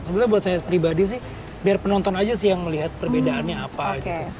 sebenarnya buat saya pribadi sih biar penonton aja sih yang melihat perbedaannya apa gitu